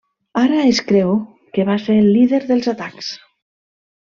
Ara es creu que va ser el líder dels atacs.